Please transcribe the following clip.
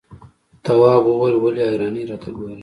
تواب وويل: ولې حیرانې راته ګوري؟